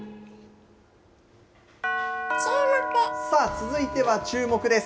続いてはチューモク！です。